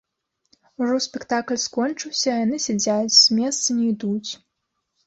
Ужо спектакль скончыўся, а яны сядзяць, з месца не ідуць.